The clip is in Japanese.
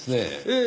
ええ。